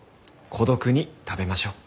孤独に食べましょう。